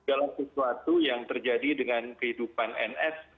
segala sesuatu yang terjadi dengan kehidupan ns